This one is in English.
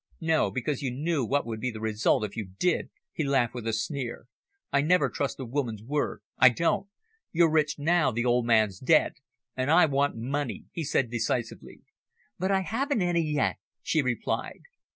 "No, because you knew what would be the result if you did," he laughed with a sneer. "I never trust a woman's word I don't. You're rich now the old man's dead, and I want money," he said decisively. "But I haven't any yet," she replied.